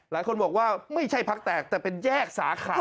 หลายคนบอกว่าไม่ใช่พักแตกแต่เป็นแยกสาขา